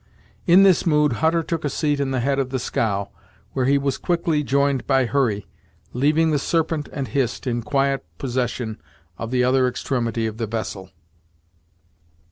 In this mood Hutter took a seat in the head of the scow, where he was quickly joined by Hurry, leaving the Serpent and Hist in quiet possession of the other extremity of the vessel.